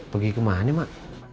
pergi kemana mak